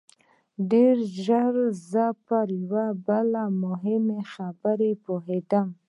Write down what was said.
ډېر ژر زه پر یوې بلې مهمې خبرې وپوهېدم